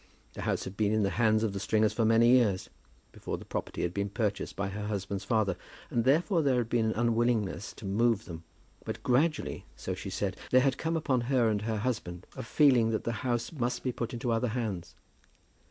The house had been in the hands of the Stringers for many years, before the property had been purchased by her husband's father, and therefore there had been an unwillingness to move them; but gradually, so she said, there had come upon her and her husband a feeling that the house must be put into other hands.